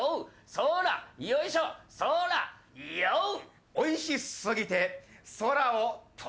そーら、よいしょ、そーら、よう。